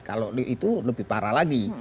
kalau itu lebih parah lagi